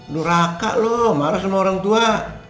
nuraka loh marah sama orang tua